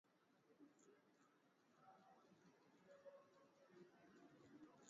Kupe mwenye masikio ya kahawia